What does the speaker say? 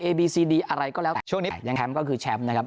บีซีดีอะไรก็แล้วแต่ช่วงนี้ยังแชมป์ก็คือแชมป์นะครับ